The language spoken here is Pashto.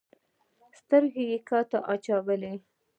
سترګي یې کښته واچولې !